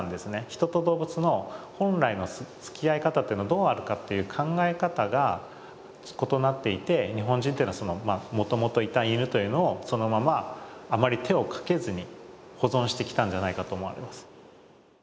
人と動物の本来のつきあい方っていうのがどうあるかっていう考え方が異なっていて日本人っていうのはもともといた犬というのをそのままあまり手をかけずに保存してきたんじゃないかと思われます。